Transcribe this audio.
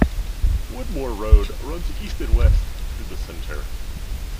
Woodmore Road runs east and west through the center.